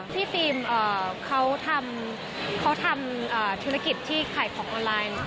ฟิล์มเขาทำธุรกิจที่ขายของออนไลน์